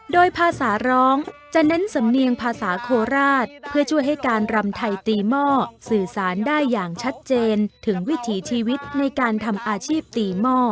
โดยภาษาร้องจะเน้นสำเนียงภาษาโคราชเพื่อช่วยให้การรำไทยตีหม้อสื่อสารได้อย่างชัดเจนถึงวิถีชีวิตในการทำอาชีพตีหม้อ